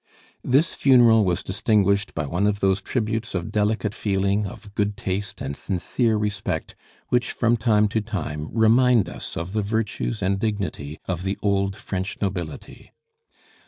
This funeral was distinguished by one of those tributes of delicate feeling, of good taste, and sincere respect which from time to time remind us of the virtues and dignity of the old French nobility.